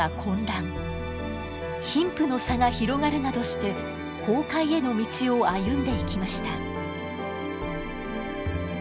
貧富の差が広がるなどして崩壊への道を歩んでいきました。